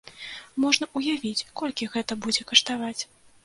Можна ўявіць, колькі гэта будзе каштаваць.